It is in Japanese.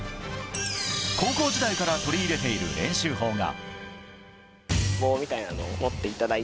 高校時代から取り入れている練習法が。